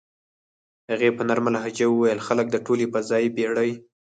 هغې په نرمه لهجه وویل: "خلک د ټولې فضايي بېړۍ.